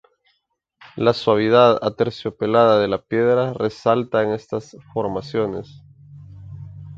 La suavidad aterciopelada de la piedra resalta en estas formaciones.